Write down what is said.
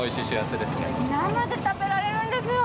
生で食べられるんですよ。